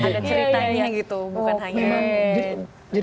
ada ceritanya gitu bukan hanya